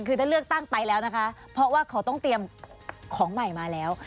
คือถ้าเลือกตั้งไปแล้วนะคะเพราะว่าเขาต้องเตรียมของใหม่มาแล้ว